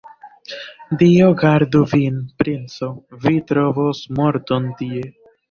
Dio gardu vin, princo, vi trovos morton tie!